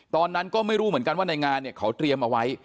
ตอนนั้นก็ไม่รู้เหมือนกันว่าในงานเนี่ยเขาเตรียมเอาไว้